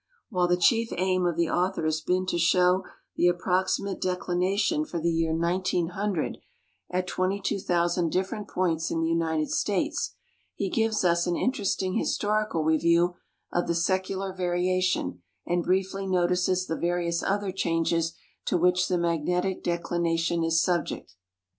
While the chief aim of the author has been to show the approximate declination for the year 15>00 at 22,000 different points in the United States, he gives us an interesting historical review of the secular variation anil briefly notices the various other changes to which the magnetic declination is sulyect.